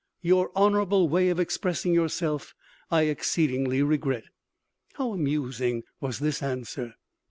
Your honorable way of expressing yourself I exceedingly regret." How amusing was this answer!